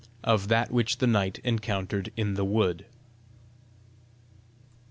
OF THAT WHICH THE KNIGHT ENCOUNTERED IN THE WOOD.